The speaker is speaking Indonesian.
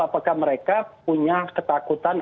apakah mereka punya ketakutan